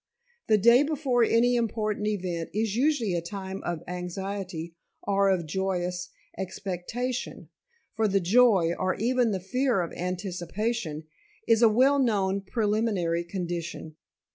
The day before any important event is usually a time of anxiety or of joyous expectation, for the joy, or even the fear of anticipation, is a well known preliminary condition.